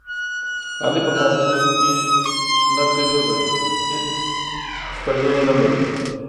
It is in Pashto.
علي په کارګرۍ کې شنه تیږه دی، هېڅ ستړیې نه لري.